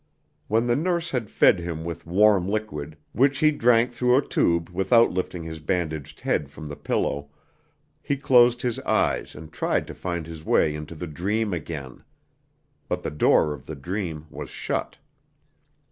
When the nurse had fed him with warm liquid, which he drank through a tube without lifting his bandaged head from the pillow, he closed his eyes and tried to find his way into the dream again. But the door of the dream was shut.